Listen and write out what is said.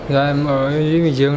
rồi em ở dưới miền trường